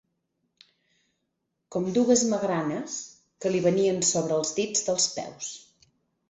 Com dugues magranes, que li venien sobre'ls dits dels peus